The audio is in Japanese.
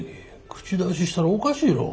口出ししたらおかしいろ。